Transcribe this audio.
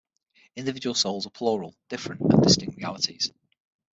Individual souls are plural, different and distinct realities.